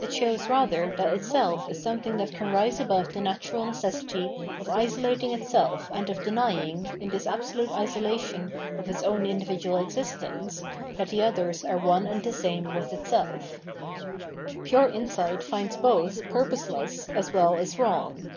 It shows rather that itself is something that can rise above the natural necessity of isolating itself and of denying, in this absolute isolation of its own individual existence, that the others are one and the same with itself. The Struggle of Enlightenment with Superstition 565 Pure insight finds both purposeless as well as wrong.